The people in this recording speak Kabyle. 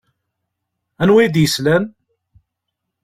Anwa i d-yeslan?